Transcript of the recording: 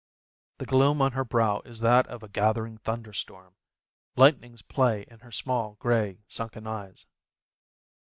The gloom on her brow is that of a gathering thunder storm, lightnings play in her small, grey, sunken eyes.